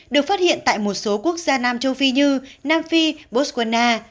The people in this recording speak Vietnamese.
được phát hiện tại một số quốc gia nam châu phi như nam phi botswana